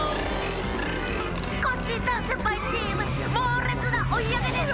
「コッシー・ダンせんぱい」チームもうれつなおいあげです！